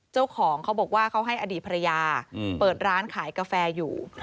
เจ้าของเขาบอกว่าเขาให้อดีตภรรยาเปิดร้านขายกาแฟอยู่